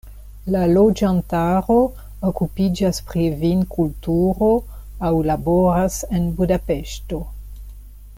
La loĝantaro okupiĝas pri vinkulturo aŭ laboras en Budapeŝto.